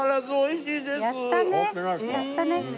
やったね。